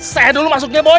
saya dulu masuknya boy